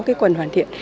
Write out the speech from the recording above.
cái quần hoàn thiện